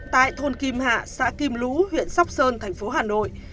tại thôn kim hạ xã kim lũ huyện sóc sơn thành phố hà nội